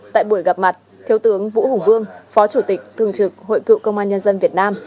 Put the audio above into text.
tại buổi gặp mặt thiếu tướng vũ hùng vương phó chủ tịch thường trực hội cựu công an nhân dân việt nam